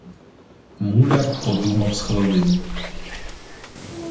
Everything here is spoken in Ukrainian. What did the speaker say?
Муляр подумав з хвилину.